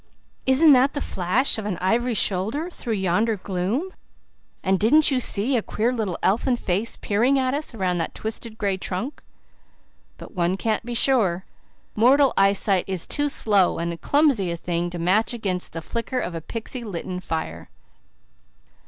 Isn't that the flash of an ivory shoulder through yonder gloom? And didn't you see a queer little elfin face peering at us around that twisted gray trunk? But one can't be sure. Mortal eyesight is too slow and clumsy a thing to match against the flicker of a pixy litten fire."